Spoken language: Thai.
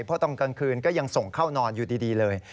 เพราะตอนกลางคืนก็ยังส่งเข้านอนอยู่ดีเลย